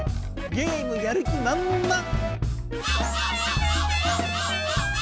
ゲームやる気まんまん！